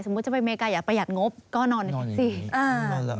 จะไปอเมริกาอย่าประหยัดงบก็นอนในแท็กซี่